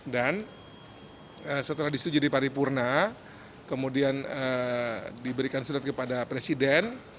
dan setelah disetujui di paripurna kemudian diberikan surat kepada presiden